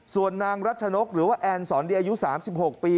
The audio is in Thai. ส่วนนางรัชนกหรือว่าแอนสอนดีอายุ๓๖ปี